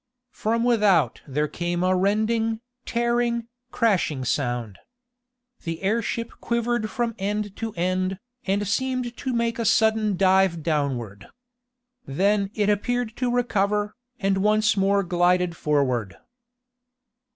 From without there came a rending, tearing, crashing sound. The airship quivered from end to end, and seemed to make a sudden dive downward. Then it appeared to recover, and once more glided forward.